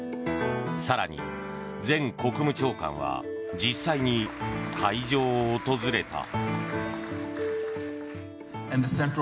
更に前国務長官は実際に会場を訪れた。